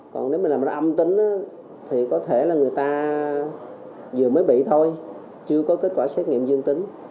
còn nếu mình làm âm tính thì có thể là người ta vừa mới bị thôi chưa có kết quả xét nghiệm dương tính